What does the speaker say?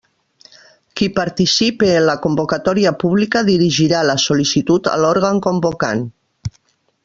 Qui participe en la convocatòria pública dirigirà la sol·licitud a l'òrgan convocant.